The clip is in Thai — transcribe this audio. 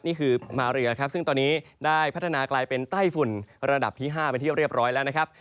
นี่คือมาเรียครับซึ่งตอนนี้ได้พัฒนากลายเป็นไต้ฝุ่นระดับที่๕เป็นที่เรียบร้อยแล้วนะครับ